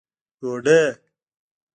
ډوډۍ